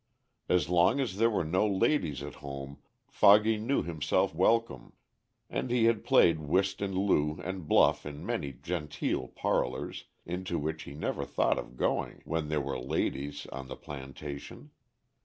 As long as there were no ladies at home "Foggy" knew himself welcome, and he had played whist and loo and bluff in many genteel parlors, into which he never thought of going when there were ladies on the plantation.